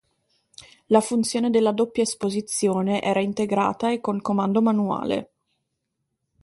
La funzione della doppia esposizione era integrata e con comando manuale.